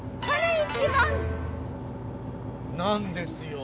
なんですよ。